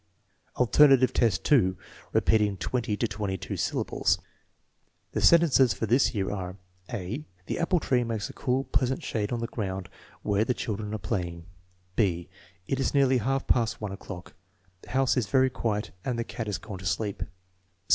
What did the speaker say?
X, Alternative test 2 : repeating twenty to twenty two syllables The sentences for this year are: (a) " The apple tree makes a cool, pleasant shade on the ground where the children are playing" (b) "It is nearly half past one o'clock; the house is very quiet and the cat has gone to sleep."